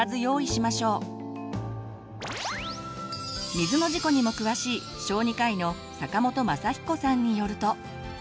水の事故にも詳しい小児科医の坂本昌彦さんによると。